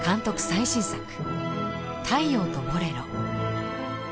最新作『太陽とボレロ』。